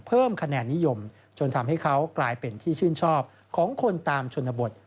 เพิ่มคะแนนนิยมจนทำให้เขากลายเป็นที่ชื่นชอบของคนตามชนบท